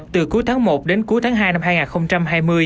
từ cuối tháng một đến cuối tháng hai năm hai nghìn hai mươi